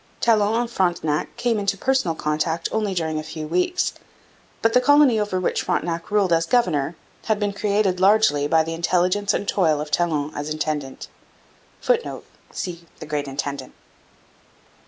Talon and Frontenac came into personal contact only during a few weeks, but the colony over which Frontenac ruled as governor had been created largely by the intelligence and toil of Talon as intendant. [Footnote: See The Great Intendant.